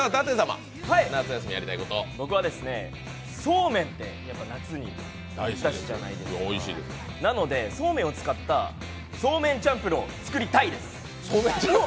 僕はそうめんって夏にぴったりじゃないですかなので、そうめんを使ったそうめんチャンプルを作りたいです。